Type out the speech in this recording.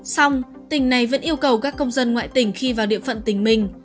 xong tỉnh này vẫn yêu cầu các công dân ngoại tỉnh khi vào địa phận tỉnh mình